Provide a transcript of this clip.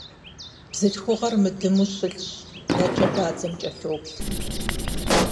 Бзылъхугъэр мыдыму щылъщ, нэкӏэ бадзэм кӏэлъоплъри.